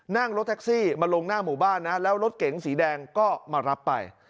นั่งรถแท็กซี่มาลงหน้าหมู่บ้านนะแล้วรถเก๋งสีแดงก็มารับไป